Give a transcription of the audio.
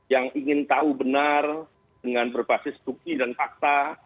yang ingin tahu benar dengan berbasis bukti dan fakta